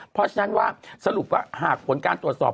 เพราะฉะนั้นว่าสรุปว่าหากผลการตรวจสอบ